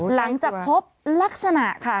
หลังจากพบลักษณะค่ะ